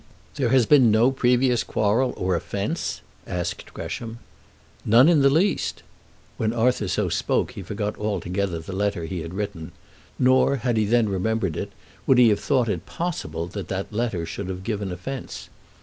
"There has been no previous quarrel, or offence?" asked Gresham. "None in the least." When Arthur so spoke he forgot altogether the letter he had written; nor, had he then remembered it, would he have thought it possible that that letter should have given offence.